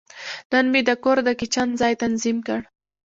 نن مې د کور د کچن ځای تنظیم کړ.